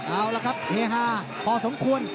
เอาละครับเฮฮาพอสมควร